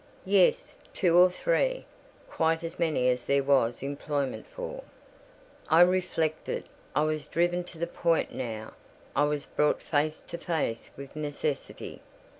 "Yes; two or three. Quite as many as there was employment for." I reflected. I was driven to the point now. I was brought face to face with Necessity.